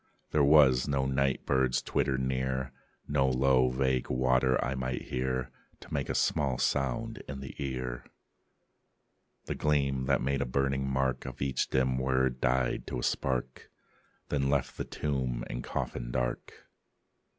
There was no night bird's twitter near; No low, vague water I might hear To make a small sound in the ear. The gleam, that made a burning mark Of each dim word, died to a spark; Then left the tomb and coffin dark.